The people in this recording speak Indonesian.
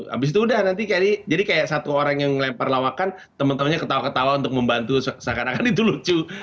habis itu udah nanti jadi kayak satu orang yang lempar lawakan teman temannya ketawa ketawa untuk membantu seakan akan itu lucu